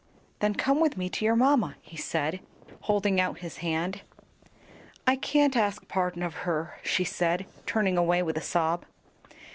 "Then come with me to your mamma," he said, holding out his hand. "I can't ask pardon of her," she said, turning away with a sob.